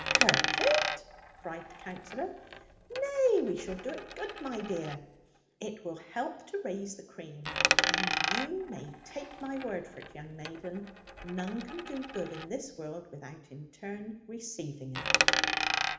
'Hurt it!' cried the Counsellor: 'nay, we shall do it good, my dear. It will help to raise the cream: and you may take my word for it, young maiden, none can do good in this world, without in turn receiving it.'